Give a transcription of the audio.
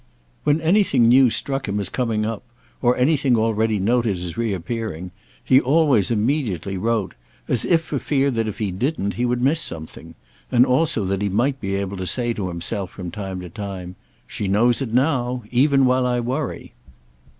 When anything new struck him as coming up, or anything already noted as reappearing, he always immediately wrote, as if for fear that if he didn't he would miss something; and also that he might be able to say to himself from time to time "She knows it now—even while I worry."